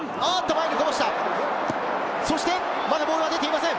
まだボールは出ていません。